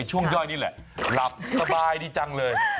ย่อยนี่แหละหลับสบายดีจังเลย